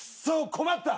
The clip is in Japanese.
困った！